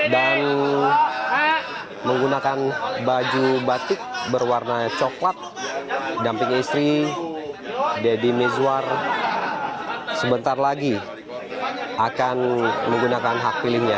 dan menggunakan baju batik berwarna coklat damping istri deddy mizwar sebentar lagi akan menggunakan hak pilihnya